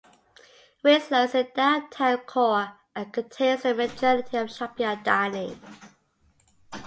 Winslow is the downtown core and contains the majority of shopping and dining.